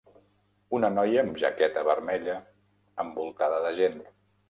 Una noia amb jaqueta vermell envoltada de gent.